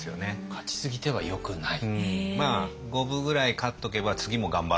勝ちすぎてはよくない。